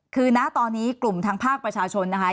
คือณตอนนี้กลุ่มทางภาคประชาชนนะคะ